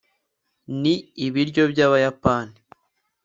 ni ibiryo by'abayapani